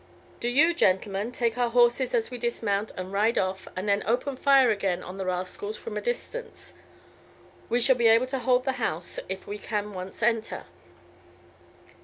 Do you, gentlemen, take our horses as we dismount, and ride off, and then open fire again on the rascals from a distance. We shall be able to hold the house if we can once enter."